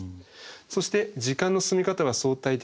そして「時間の進み方は相対的だ」。